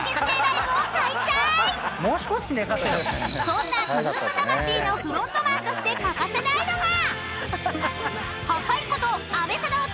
［そんなグループ魂のフロントマンとして欠かせないのが］